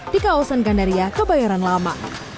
di kawasan gandaria kebayoran lama